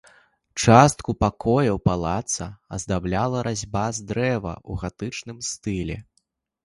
Частку пакояў палаца аздабляла разьба з дрэва ў гатычным стылі.